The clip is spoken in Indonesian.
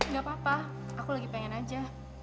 gak papa aku lagi pengen aja